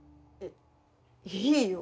いいよ。